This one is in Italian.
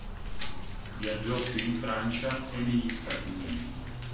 Viaggiò più in Francia e negli Stati Uniti.